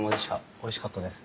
おいしかったです。